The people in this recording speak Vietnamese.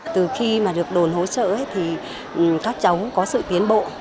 từ khi mà được đồn hỗ trợ thì các cháu có sự tiến bộ